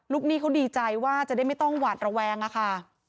หนี้เขาดีใจว่าจะได้ไม่ต้องหวาดระแวงอะค่ะ